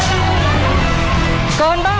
แล้วก็ได้